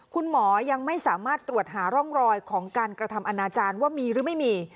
คุณหมอยังไม่สามารถตรวจหาร่องรอยของการกระทำอนาจารย์ว่ามีหรือไม่มี